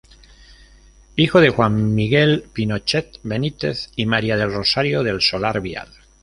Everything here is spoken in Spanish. Hijo de Juan Miguel Pinochet Benítez y María del Rosario del Solar Vial.